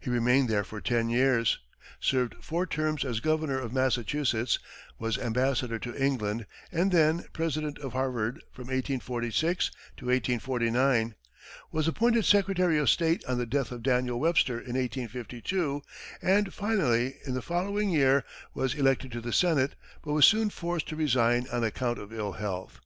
He remained there for ten years, served four terms as governor of Massachusetts, was ambassador to England, and then, president of Harvard from 1846 1849; was appointed secretary of state on the death of Daniel Webster in 1852; and finally, in the following year, was elected to the Senate, but was soon forced to resign on account of ill health.